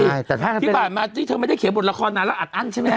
พี่บาปมาที่เธอไม่ได้เขียนบทละครนานแล้วอัดอั้นใช่ไหม